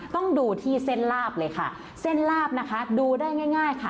ต้องดูที่เส้นลาบเลยค่ะเส้นลาบนะคะดูได้ง่ายค่ะ